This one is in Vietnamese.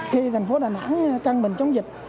khi thành phố đà nẵng căng bình chống dịch